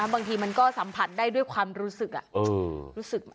บางทีมันก็สัมผัสได้ด้วยความรู้สึกรู้สึก